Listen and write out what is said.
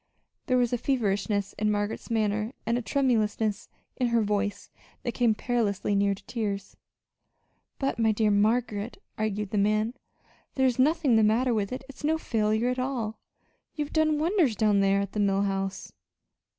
There was a feverishness in Margaret's manner and a tremulousness in her voice that came perilously near to tears. "But, my dear Margaret," argued the man, "there's nothing the matter with it. It's no failure at all. You've done wonders down there at the Mill House."